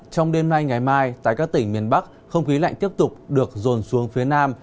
trong đêm nay ngày mai tại các tỉnh miền bắc không khí lạnh tiếp tục được rồn xuống phía nam